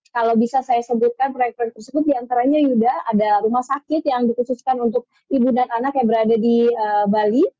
kalau bisa saya sebutkan proyek proyek tersebut diantaranya yuda ada rumah sakit yang dikhususkan untuk ibu dan anak yang berada di bali